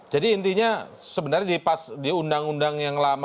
jadi intinya sebenarnya di pas di undang undang yang lalu